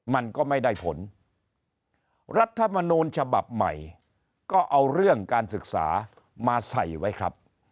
มันก็ไม่ได้ผลรัฐมนูลฉบับใหม่ก็เอาเรื่องการศึกษามาใส่ไว้ครับ